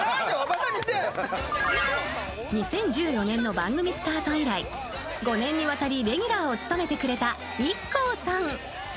２０１４年の番組スタート以来５年にわたりレギュラーを務めてくれたＩＫＫＯさん。